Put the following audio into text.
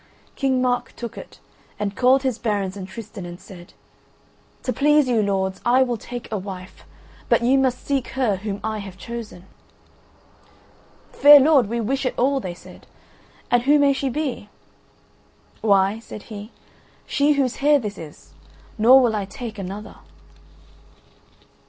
King Mark took it, and called his barons and Tristan and said: "To please you, lords, I will take a wife; but you must seek her whom I have chosen." "Fair lord, we wish it all," they said, "and who may she be?" "Why," said he, "she whose hair this is; nor will I take another."